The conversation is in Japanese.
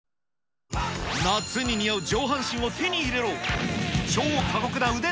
夏に似合う上半身を手に入れろ。